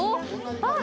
あっ！